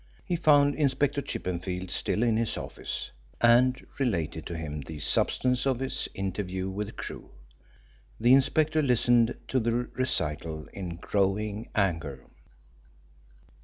He found Inspector Chippenfield still in his office, and related to him the substance of his interview with Crewe. The inspector listened to the recital in growing anger.